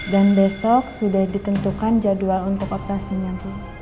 dan besok sudah ditentukan jadwal untuk operasinya bu